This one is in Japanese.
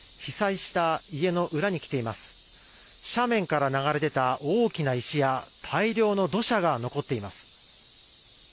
斜面から流れ出た大きな石や大量の土砂が残っています。